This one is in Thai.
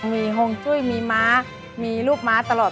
มีฮงจุ้ยมีม้ามีลูกม้าตลอด